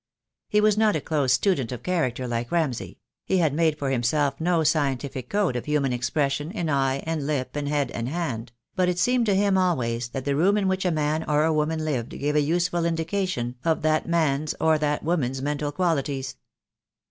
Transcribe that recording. He was not a close student of character like Ramsay; he had made for himself no scientific code of human expression in eye and lip and head and hand; but it seemed to him always that the room in which a man or a woman lived gave a use 124 THE DAY WILL COME. ful indication of that man's or that woman's mental qualities.